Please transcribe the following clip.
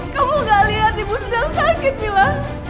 kamu nggak lihat ibu sedang sakit mila